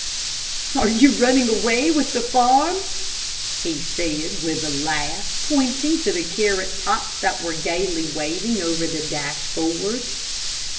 "Are you running away with the farm?" he said with a laugh, pointing to the carrot tops that were gaily waving over the dashboard.